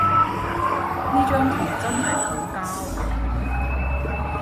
呢張圖真係好膠